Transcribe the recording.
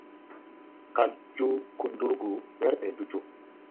Kal joo kundurgu wer ɓe jo jo.